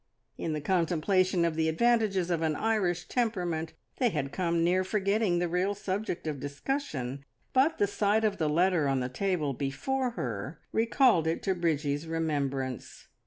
In the contemplation of the advantages of an Irish temperament they had come near forgetting the real subject of discussion, but the sight of the letter on the table before her recalled it to Bridgie's remembrance.